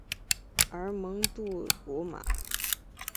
而蒙杜古马。